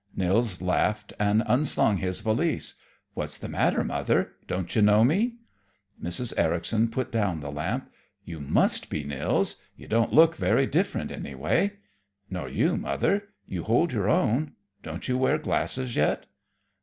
Nils laughed and unslung his valise. "What's the matter, Mother? Don't you know me?" Mrs. Ericson put down the lamp. "You must be Nils. You don't look very different, anyway." "Nor you, Mother. You hold your own. Don't you wear glasses yet?"